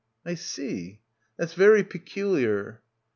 "I see; that's very peculiar."